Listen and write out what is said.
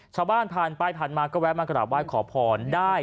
ชาวบ้านผ่านไปผ่านมาก็แวะมากราบไหว้ขอพรได้